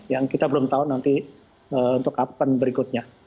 yang kita belum tahu nanti untuk kapan berikutnya